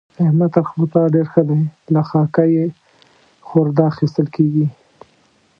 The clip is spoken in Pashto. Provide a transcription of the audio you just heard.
احمد تر خپل پلار ډېر ښه دی؛ له خاکه يې خورده اخېستل کېږي.